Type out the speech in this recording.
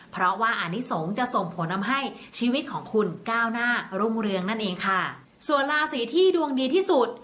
เพราะว่าอานิสงฆ์จะส่งผลทำให้ชีวิตของคุณก้าวหน้ารุ่งเรืองนั่นเองค่ะส่วนราศีที่ดวงดีที่สุด